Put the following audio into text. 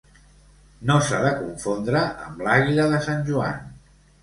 No s'ha de confondre amb l'àguila de Sant Joan.